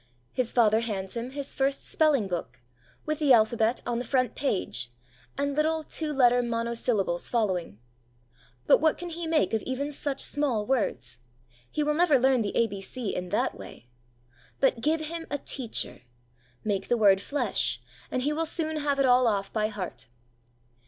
His father hands him his first spelling book, with the alphabet on the front page, and little two letter monosyllables following. But what can he make of even such small words? He will never learn the A.B.C. in that way. But give him a teacher. Make the word flesh, and he will soon have it all off by heart!